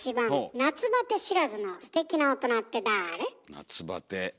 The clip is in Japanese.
夏バテ。